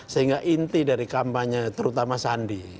sehingga inti dari kampanye terutama sandi